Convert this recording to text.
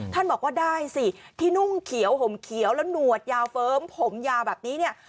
ท่านบอกว่าได้สิที่นุ่งเขียวห่มเขียวแล้วหนวดยาวเฟ้อมผมยาวแบบนี้เนี่ย